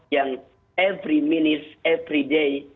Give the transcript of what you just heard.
yang setiap saat setiap hari